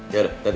ya udah tadi